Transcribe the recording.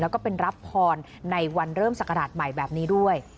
แล้วก็เป็นรับพรในวันเริ่มศักราชใหม่แบบนี้ด้วย